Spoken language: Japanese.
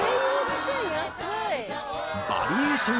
バリエーション